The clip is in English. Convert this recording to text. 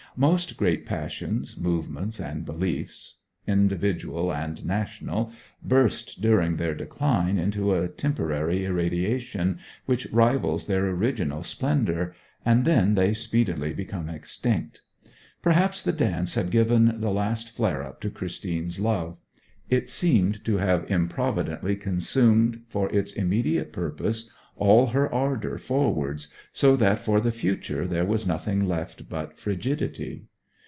Most great passions, movements, and beliefs individual and national burst during their decline into a temporary irradiation, which rivals their original splendour; and then they speedily become extinct. Perhaps the dance had given the last flare up to Christine's love. It seemed to have improvidently consumed for its immediate purpose all her ardour forwards, so that for the future there was nothing left but frigidity.